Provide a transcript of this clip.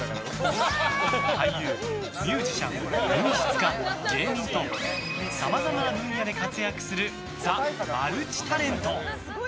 俳優、ミュージシャン文筆家、芸人とさまざまな分野で活躍するザ・マルチタレント。